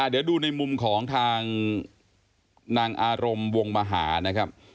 เดี๋ยวดูในมุมของทางนางอารมณ์วงมหานะครับ